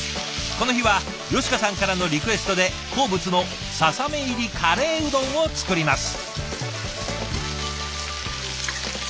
この日は佳香さんからのリクエストで好物のささみ入りカレーうどんを作ります。